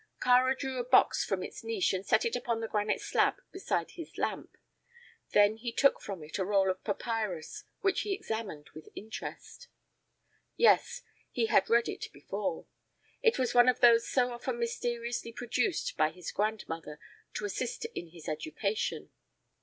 Kāra drew a box from its niche and set it upon the granite slab beside his lamp. Then he took from it a roll of papyrus, which he examined with interest. Yes; he had read it before. It was one of those so often mysteriously produced by his grandmother to assist in his education.